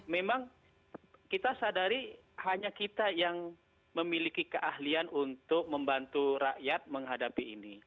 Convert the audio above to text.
memang kita sadari hanya kita yang memiliki keahlian untuk membantu rakyat menghadapi ini